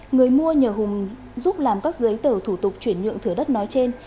người mua nhờ hùng giúp làm các giấy tờ thủ tục chuyển nhượng thửa đất nói trên